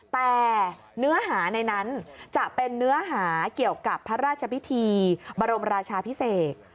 แต่เนื้อหาในนั้นจะเป็นเนื้อหาเกี่ยวกับพระราชพิธีบรมราชาพิเศษ